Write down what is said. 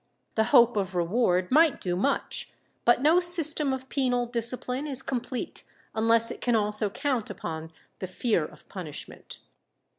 The hope of reward might do much, but no system of penal discipline is complete unless it can also count upon the fear of punishment.